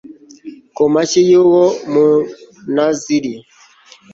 ku mashyi y uwo munaziri